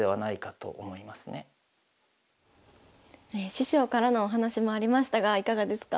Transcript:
師匠からのお話もありましたがいかがですか？